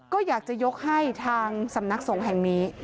ก็อยากจะยกให้ทางสำนักสงฆ์แห่งนี้